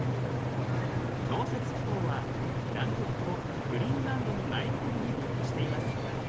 氷雪気候は南極とグリーンランドの内陸部に分布しています。